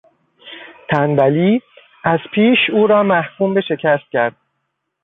تنبلی از پیش او را محکوم به شکست کرد.